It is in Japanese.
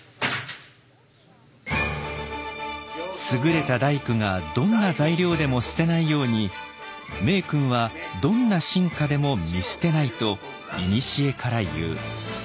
「『優れた大工がどんな材料でも捨てないように名君はどんな臣下でも見捨てない』といにしえからいう。